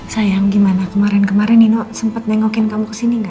sayang gimana kemarin kemarin nino sempat nengokin kamu kesini nggak